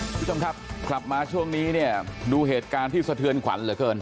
คุณผู้ชมครับกลับมาช่วงนี้เนี่ยดูเหตุการณ์ที่สะเทือนขวัญเหลือเกิน